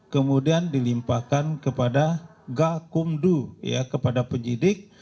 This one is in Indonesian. kemudian dilimpahkan kepada gakumdu kepada penyidik